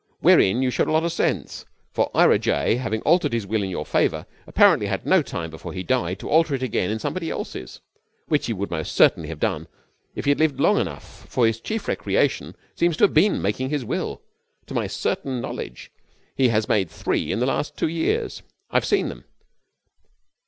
Wherein you showed a lot of sense, for Ira J., having altered his will in your favour, apparently had no time before he died to alter it again in somebody else's, which he would most certainly have done if he had lived long enough, for his chief recreation seems to have been making his will. To my certain knowledge he has made three in the last two years. I've seen them.